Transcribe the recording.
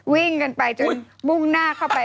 วิ่งกันไปจนมุ่งหน้าเข้าไป